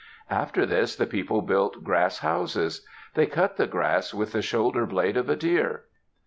After this the people built grass houses; they cut the grass with the shoulder blade of a deer.